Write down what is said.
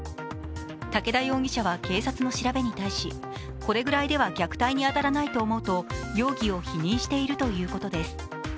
武田容疑者は警察の調べに対し、これぐらいでは虐待に当たらないと思うと容疑を否認しているということです。